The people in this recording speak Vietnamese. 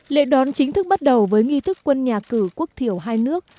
lễ đón chính thức bắt đầu với nghi thức quân nhà cử quốc thiểu hai nước